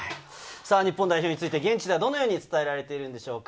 日本代表について、現地ではどんなふうに伝えられているんでしょうか？